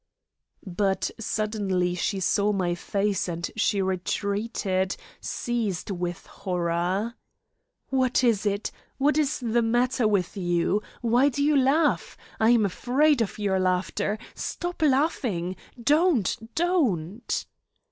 But suddenly she saw my face and she retreated, seized with horror. "What is it? What is the matter with you? Why do you laugh? I am afraid of your laughter! Stop laughing! Don't! Don't!"